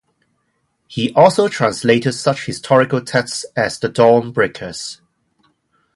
He also translated such historical texts as "The Dawn-breakers".